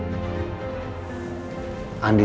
saya gak mau ngeremotin om